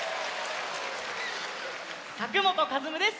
佐久本和夢です。